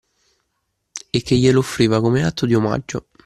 E che glielo offriva come atto di omaggio.